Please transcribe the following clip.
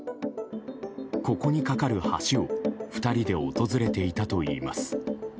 ここに架かる橋を２人で訪れていたといいます。